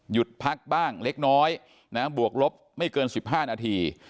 พักบ้างเล็กน้อยบวกลบไม่เกิน๑๕นาที